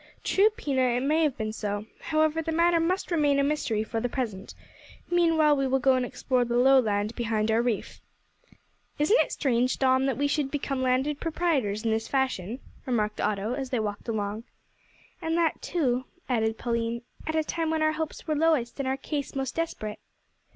"True, Pina, it may have been so. However, the matter must remain a mystery for the present. Meanwhile we will go and explore the low land behind our reef." "Isn't it strange, Dom, that we should become landed proprietors in this fashion?" remarked Otto, as they walked along. "And that, too," added Pauline, "at a time when our hopes were lowest and our case most desperate."